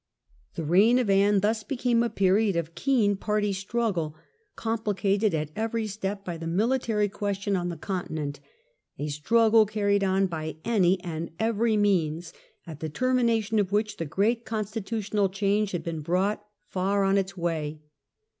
The reign of Anne thus became a period of keen party struggle, complicated at every step by the military question on the Continent; a struggle carried on by any and every means, at the termi nation of which the great constitutional change had been brought far on its way.